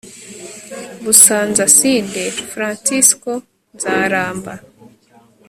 BusanzaSud Fransisko Nzaramba